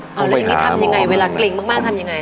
เอาเลยอันนี้ทำไงเวลาเกรงมากทำยังไง